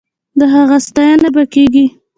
د هغه ستاينه به کېږي.